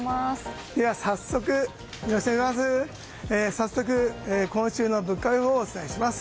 早速、今週の物価予報をお伝えします。